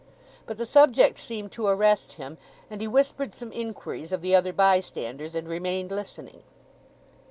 But the subject seemed to arrest him, and he whispered some inquiries of the other bystanders, and remained listening.